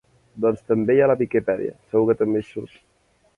Doncs també hi ha la Viquipèdia, segur que també hi surt.